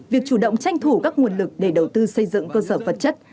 việc chủ động tranh thủ các nguồn lực để đầu tư xây dựng cơ sở vật chất